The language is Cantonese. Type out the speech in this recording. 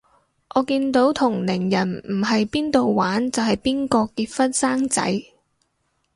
我見到同齡人唔係邊到玩就邊個結婚生仔